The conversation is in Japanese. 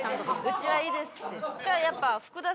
「うちはいいです」って。